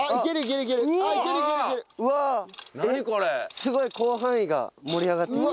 すごい広範囲が盛り上がってきた。